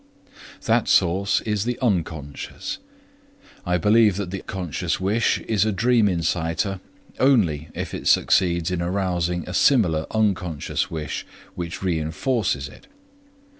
That source is the unconscious. I believe that the conscious wish is a dream inciter only if it succeeds in arousing a similar unconscious wish which reinforces it.